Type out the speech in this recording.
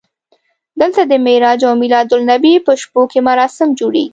دلته د معراج او میلادالنبي په شپو کې مراسم جوړېږي.